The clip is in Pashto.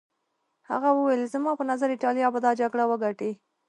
هغه وویل زما په نظر ایټالیا به دا جګړه وګټي.